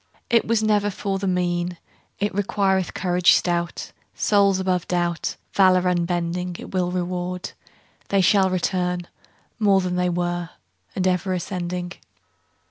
It was never for the mean; It requireth courage stout. Souls above doubt, Valor unbending, It will reward, They shall return More than they were, And ever ascending.